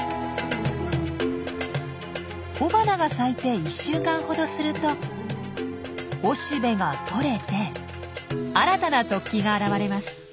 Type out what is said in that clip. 雄花が咲いて１週間ほどすると雄しべが取れて新たな突起が現れます。